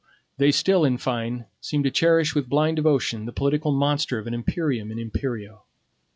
They still, in fine, seem to cherish with blind devotion the political monster of an imperium in imperio.